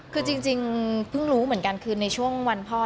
คือจริงเพิ่งรู้เหมือนกันคือในช่วงวันพ่อ